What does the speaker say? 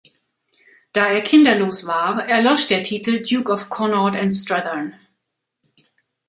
Da er kinderlos war, erlosch der Titel "Duke of Connaught and Strathearn".